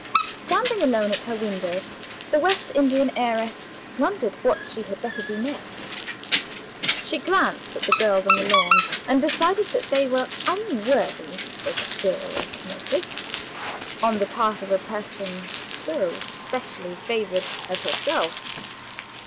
Standing alone at her window, the West Indian heiress wondered what she had better do next. She glanced at the girls on the lawn, and decided that they were unworthy of serious notice, on the part of a person so specially favored as herself.